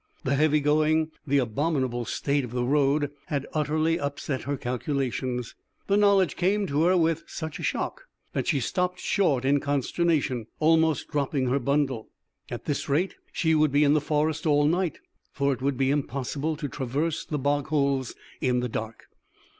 The heavy going, the abominable state of the road, had utterly upset her calculations. The knowledge came to her with such a shock that she stopped short in consternation, almost dropping her bundle. At this rate she would be in the forest all night, for it would be impossible to traverse the bog holes in the dark.